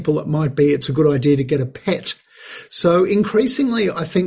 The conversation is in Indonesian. lebih banyak dari para penjaga kesehatan